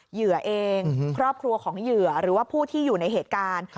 เหยื่อเองครอบครัวของเหยื่อหรือว่าผู้ที่อยู่ในเหตุการณ์